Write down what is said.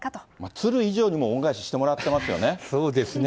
鶴以上に恩返ししてもらってますよね。